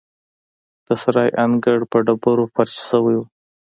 د سرای انګړ په ډبرو فرش شوی و.